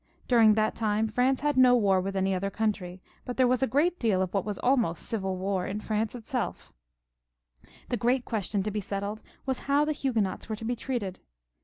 During that time France had no war with any other country, but there was a great deal of what was almost civil war in France itseUl The great question to be settled was how the Huguenots were to be treated.